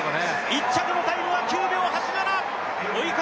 １着のタイムは９秒８７追い風